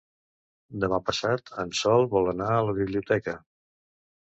Demà passat en Sol vol anar a la biblioteca.